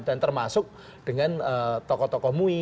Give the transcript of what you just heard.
dan termasuk dengan tokoh tokoh mui